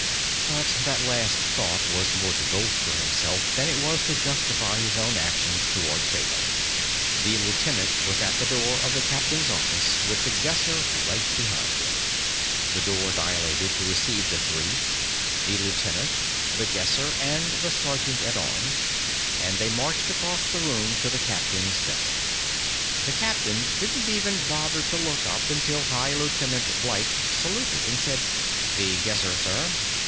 _ But that last thought was more to bolster himself than it was to justify his own actions toward Kraybo. The lieutenant was at the door of the captain's office, with The Guesser right behind him. The door dilated to receive the three the lieutenant, The Guesser, and the sergeant at arms and they marched across the room to the captain's desk. The captain didn't even bother to look up until High Lieutenant Blyke saluted and said: "The Guesser, sir."